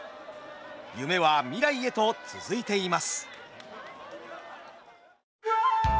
夢は未来へと続いています。